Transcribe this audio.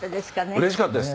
うれしかったです。